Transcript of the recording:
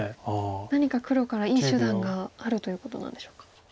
何か黒からいい手段があるということなんでしょうか。